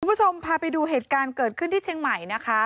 คุณผู้ชมพาไปดูเหตุการณ์เกิดขึ้นที่เชียงใหม่นะคะ